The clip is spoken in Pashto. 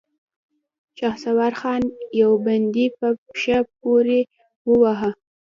شهسوار خان يو بندي په پښه پورې واهه.